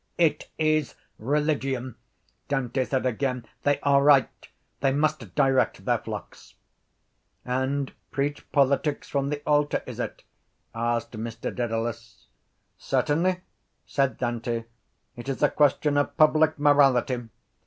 —It is religion, Dante said again. They are right. They must direct their flocks. —And preach politics from the altar, is it? asked Mr Dedalus. —Certainly, said Dante. It is a question of public morality.